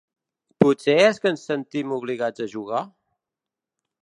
Potser és que ens sentim obligats a jugar?